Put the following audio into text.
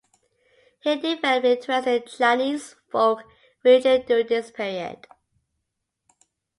He developed an interest in Chinese folk religion during this period.